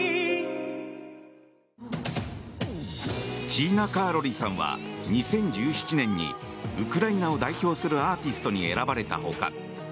チーナ・カーロリさんは２０１７年にウクライナを代表するアーティストに選ばれたほか